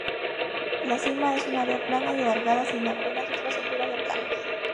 La cima es un área plana y alargada sin apenas otras alturas cercanas.